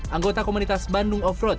anggota komunitas bandung offroad